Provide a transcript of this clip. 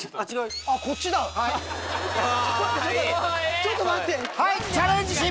ちょっと待って！